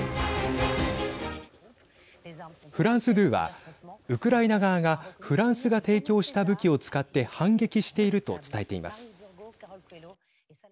フランス２はウクライナ側がフランスが提供した武器を使って反撃していると伝えています。